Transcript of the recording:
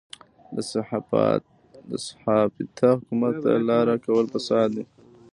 له صحافته حکومت ته لاره کول فساد دی.